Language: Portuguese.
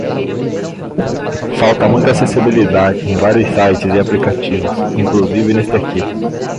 Falta muita acessibilidade em vários sites e aplicativos, inclusive neste aqui.